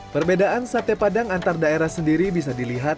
perbedaan sate padang antar daerah sendiri bisa dilihat